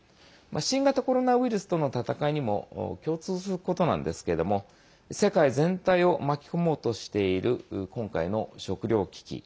新型コロナウイルスとの闘いにも共通することなんですけれども世界全体を巻き込もうとしている今回の食糧危機。